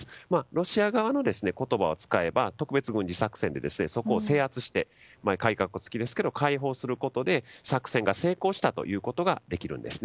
ロシア側の言葉を使えば特別軍事作戦でそこを制圧して解放することで作戦が成功したといえるんです。